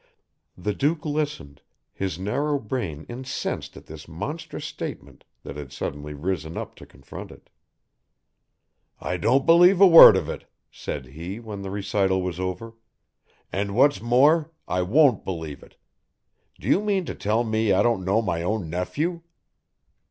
The Duke listened, his narrow brain incensed at this monstrous statement that had suddenly risen up to confront it. "I don't believe a word of it," said he, when the recital was over, "and what's more, I won't believe it. Do you mean to tell me I don't know my own nephew?"